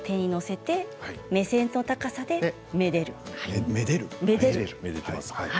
目線の高さでめでるんですね。